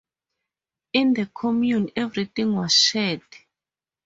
In the commune, everything was shared.